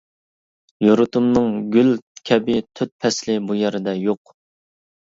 يۇرتۇمنىڭ گۈل كەبى تۆت پەسلى بۇ يەردە يوق.